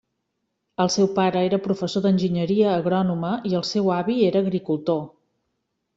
El seu pare era professor d'enginyeria agrònoma i el seu avi era agricultor.